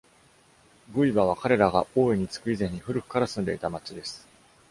Guiba は、彼らが王位につく以前に古くから住んでいた町です。